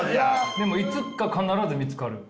でも「いつか必ず見つかる」。